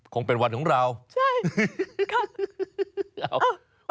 คงเป็นวันของเราใช่ค่ะ